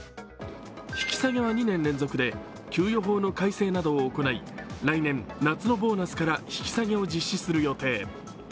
引き下げは２年連続で、給与法などの改正を行い、来年夏のボーナスから引き下げを実施する予定。